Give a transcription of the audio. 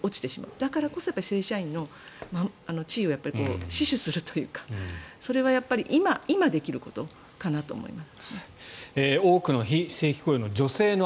だからこそ正社員の地位を死守するというかそれはやっぱり今できることかなと思います。